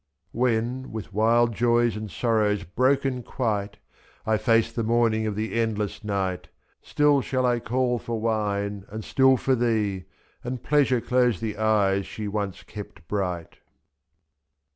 89 When, with wild joys and sorrows broken quite, I face the morning of the endless night, 2if. Still shall I call for wine, and still for thee. And Pleasure close the eyes she once kept bright.